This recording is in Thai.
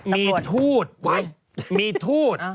มีทูตมีทูต